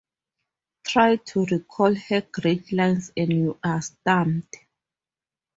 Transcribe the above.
Try to recall her great lines and you are stumped.